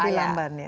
lebih lamban ya